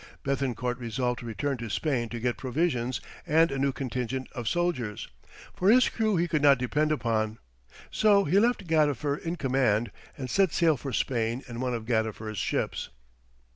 Béthencourt resolved to return to Spain to get provisions and a new contingent of soldiers, for his crew he could not depend upon; so he left Gadifer in command and set sail for Spain in one of Gadifer's ships.